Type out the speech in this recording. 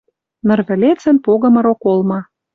Ныр вӹлецӹн погымы роколма.